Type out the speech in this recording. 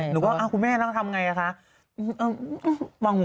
หมี่พี่แร้ไงว้าทำกับงู